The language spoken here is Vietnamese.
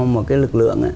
một cái lực lượng